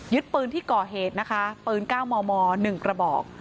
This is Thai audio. ปืนที่ก่อเหตุนะคะปืน๙มม๑กระบอก